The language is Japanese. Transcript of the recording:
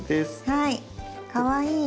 はい。